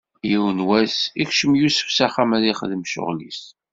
Yiwen n wass, ikcem Yusef s axxam ad ixdem ccɣwel-is.